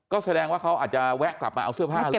ก็แสดงว่าเขาอาจจะแวะกลับมาเอาเสื้อผ้าหรือเปล่า